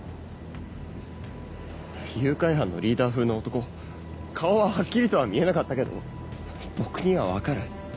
誘拐犯のリーダー風の男顔ははっきりとは見えなかったけど僕には分かる。